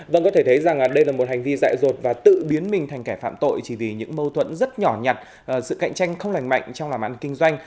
vâng có thể thấy rằng đây là một hành vi dại rột và tự biến mình thành kẻ phạm tội chỉ vì những mâu thuẫn rất nhỏ nhặt sự cạnh tranh không lành mạnh trong làm ăn kinh doanh